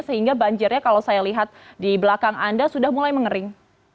sehingga banjirnya kalau saya lihat di belakang anda sudah mulai mengering